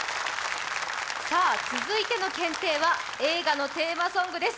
続いての検定は映画のテーマソングです。